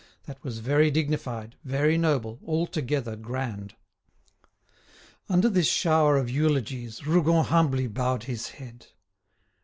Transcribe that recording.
That was very dignified, very noble, altogether grand. Under this shower of eulogies, Rougon humbly bowed his head.